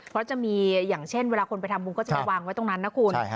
ก็จะมีอย่างเช่นเวลาคนไปทำวงก็จะพยวงไว้ตรงนั้นน่ะคุณ